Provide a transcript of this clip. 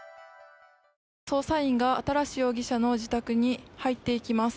捜査員が新容疑者の自宅に入っていきます。